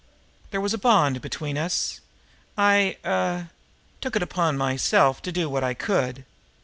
There was a bond between us. I er took it upon myself to do what I could.